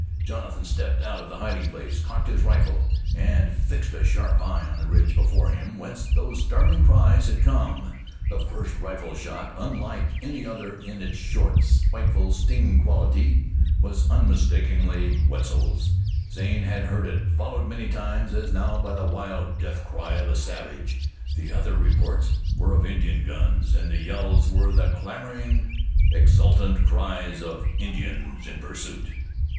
Jonathan stepped out of the hiding place, cocked his rifle, and fixed a sharp eye on the ridge before him whence those startling cries had come. The first rifle shot, unlike any other in its short, spiteful, stinging quality, was unmistakably Wetzel's. Zane had heard it, followed many times, as now, by the wild death cry of a savage. The other reports were of Indian guns, and the yells were the clamoring, exultant cries of Indians in pursuit.